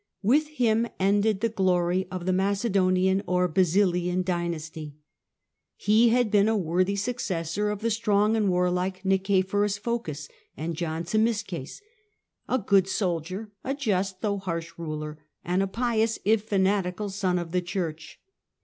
With him ended the glory of the Macedonian or Basilian dynasty. He had been a worthy successor of the strong and warlike Nicephorus Phocas and John Zimisces, a good soldier, a just, though harsh, ruler, and a pious, if fanatical, son of the Church.